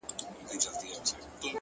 هره هڅه یو نوی امکان جوړوي